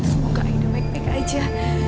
semoga ide baik baik aja